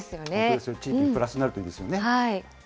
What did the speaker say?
地域にプラスになるといいですよね。